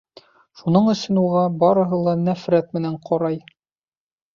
Шуның өсөн уға барыһы ла нәфрәт менән ҡарай.